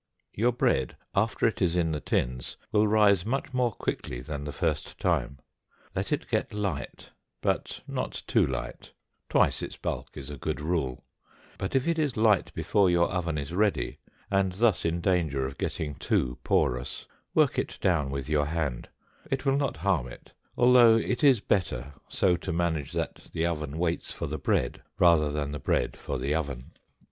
Your bread, after it is in the tins, will rise much more quickly than the first time. Let it get light, but not too light twice its bulk is a good rule; but if it is light before your oven is ready, and thus in danger of getting too porous, work it down with your hand, it will not harm it, although it is better so to manage that the oven waits for the bread rather than the bread for the oven.